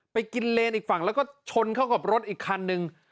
ไปกินเลนอีกฝั่งแล้วก็ชนเข้ากับรถอีกคันนึง